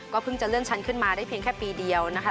เพิ่งจะเลื่อนชั้นขึ้นมาได้เพียงแค่ปีเดียวนะคะ